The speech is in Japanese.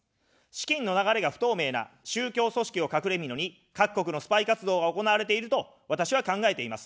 資金の流れが不透明な宗教組織を隠れみのに各国のスパイ活動が行われていると、私は考えています。